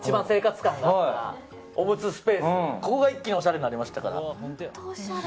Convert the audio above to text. ここが一気におしゃれになりましたから。